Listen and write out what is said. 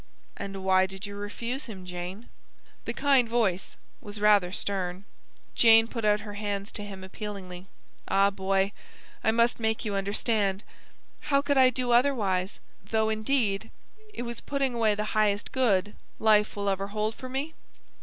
"And why did you refuse him, Jane?" The kind voice was rather stern. Jane put out her hands to him appealingly. "Ah, Boy, I must make you understand! How could I do otherwise, though, indeed, it was putting away the highest good life will ever hold for me?